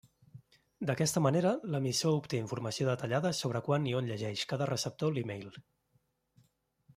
D'aquesta manera l'emissor obté informació detallada sobre quan i on llegeix cada receptor l'e-mail.